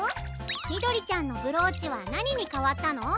みどりちゃんのブローチはなににかわったの？